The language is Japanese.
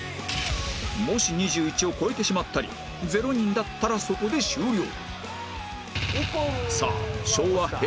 もし２１を超えてしまったり０人だったらそこで終了